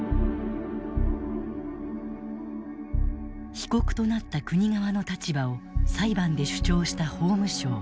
被告となった国側の立場を裁判で主張した法務省。